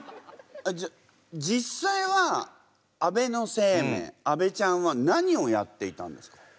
じゃあ実際は安倍晴明安倍ちゃんは何をやっていたんですか？